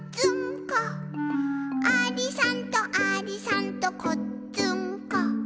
「ありさんとありさんとこっつんこ」